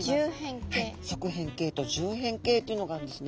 側扁形と縦扁形というのがあるんですね。